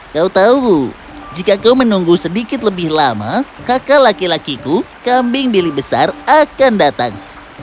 kau tahu bu jika kau menunggu sedikit lebih lama kakak laki lakiku kambing bili besar akan datang